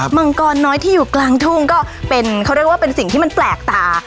มังกรน้อยที่อยู่กลางทุ่งก็เป็นเขาเรียกว่าเป็นสิ่งที่มันแปลกตา